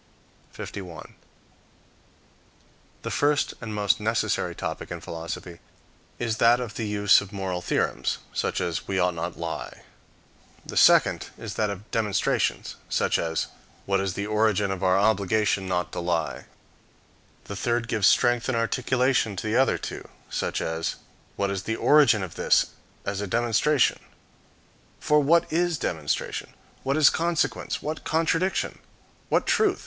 51. The first and most necessary topic in philosophy is that of the use of moral theorems, such as, "We ought not to lie;" the second is that of demonstrations, such as, "What is the origin of our obligation not to lie;" the third gives strength and articulation to the other two, such as, "What is the origin of this is a demonstration." For what is demonstration? What is consequence? What contradiction? What truth?